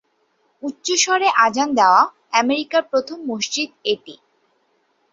উচ্চস্বরে আযান দেওয়া আমেরিকার প্রথম মসজিদ এটি।